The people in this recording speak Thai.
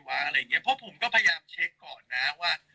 เพราะผมก็พยายามเช็คก่อนนะว่า